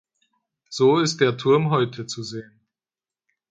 So ist der Turm heute zu sehen.